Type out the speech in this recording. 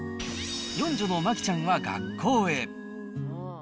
四女のマキちゃんは学校へ。